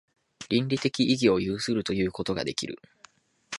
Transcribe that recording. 倫理的意義を有するということができる。